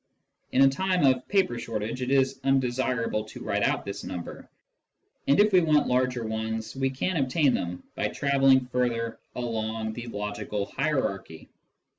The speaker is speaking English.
In a time of paper shortage it is undesirable to write out this number, and if we want larger ones we can obtain them by travelling further along the logical hierarchy.